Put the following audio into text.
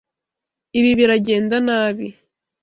Ibi biragenda nabi.